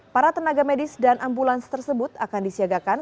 para tenaga medis dan ambulans tersebut akan disiagakan